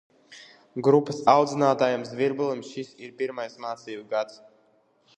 Grupas audzinātājam Zvirbulim šis ir pirmais mācību gads.